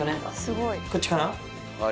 こっちかな？